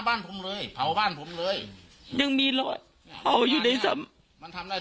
ห้าขี้ยังเอามาใส่หน้าบ้าน